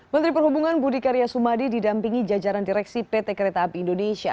menteri perhubungan budi karya sumadi didampingi jajaran direksi pt kereta api indonesia